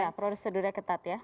ya prosedurnya ketat ya